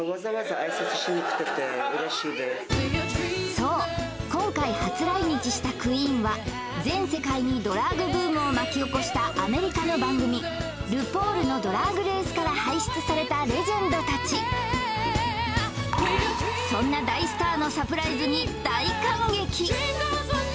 そう今回初来日したクイーンは全世界にドラァグブームを巻き起こしたアメリカの番組「ル・ポールのドラァグ・レース」から輩出されたレジェンドたちそんな大スターのサプライズに大感激